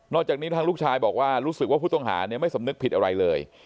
จากนี้ทางลูกชายบอกว่ารู้สึกว่าผู้ต้องหาไม่สำนึกผิดอะไรเลย